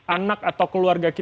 anak atau keluarga kita